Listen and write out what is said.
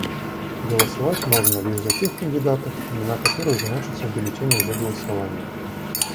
Голосовать можно лишь за тех кандидатов, имена которых значатся в бюллетенях для голосования.